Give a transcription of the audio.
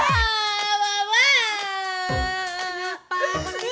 kenapa menangis indy